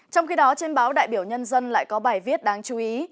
trong khi đó trên báo đại biểu nhân dân lại có bài viết đáng chú ý